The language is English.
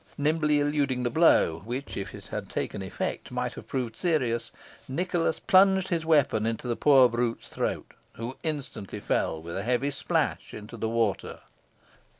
Nimbly eluding the blow, which, if it had taken effect, might have proved serious, Nicholas plunged his weapon into the poor brute's throat, who instantly fell with a heavy splash into the water.